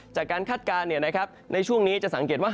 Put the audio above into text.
คาดการณ์ในช่วงนี้จะสังเกตว่า